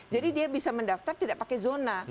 jadi dia bisa mendaftar tidak pakai zona